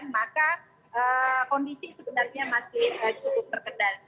maka kondisi sebenarnya masih cukup terkendali